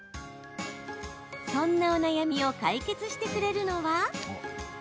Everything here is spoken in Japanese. そんなお悩みを解決してくれるのは。